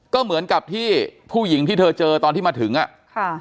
ก็เหมือนกับที่ผู้หญิงที่เธอเจอตอนที่มาถึงอ่ะค่ะ